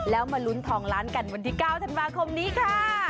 แล้วมาลุ้นทองล้านกันวันที่๙ธันวาคมนี้ค่ะ